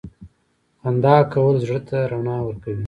• خندا کول زړه ته رڼا ورکوي.